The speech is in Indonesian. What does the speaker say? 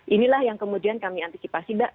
inilah yang kemudian kami antisipasi mbak